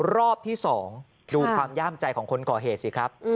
รอบที่๒ดูความย่ามใจของคนก่อเหตุสิครับ